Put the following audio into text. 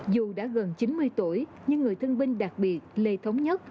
dù đã gần chín mươi tuổi nhưng người thương binh đặc biệt lê thống nhất